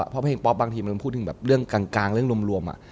เพราะเพลงป๊อปบางทีมันพูดถึงแบบเรื่องกลางเรื่องรวม